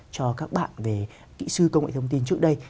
cho các bạn về kỹ sư công nghệ thông tin trước đây